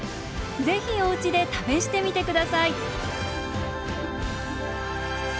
是非お家で試してみて下さい。